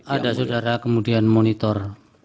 ada saudara kemudian monitor